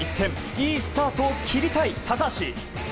いいスタートを切りたい高橋。